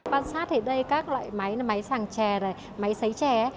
ban sát ở đây các loại máy là máy sàng trà máy sấy trà